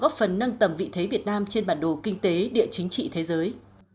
góp phần nâng tầm vị thế việt nam trên bản đồ kinh tế địa chính trị thế giới